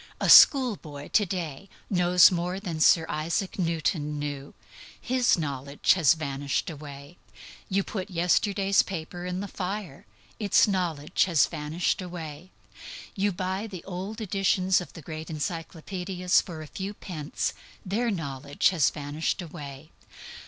A schoolboy to day knows more than Sir Isaac Newton knew; his knowledge has vanished away. You put yesterday's newspaper in the fire: its knowledge has vanished away. You buy the old editions of the great encyclopædias for a few cents: their knowledge has vanished away.